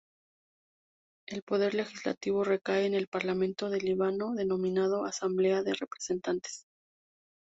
El poder legislativo recae en el Parlamento del Líbano, denominado Asamblea de Representantes.